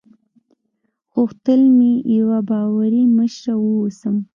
غوښتل مې یوه باوري مشره واوسم.